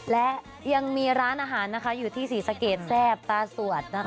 และยังมีร้านอาหารอยู่ที่สีสเกรดแทรฟปลาสวดนะคะ